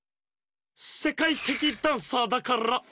せかいてきダンサーだから。